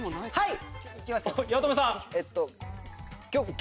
はい！